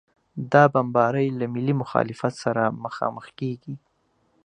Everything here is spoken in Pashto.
دا بمبارۍ له ملي مخالفت سره مخامخ کېږي.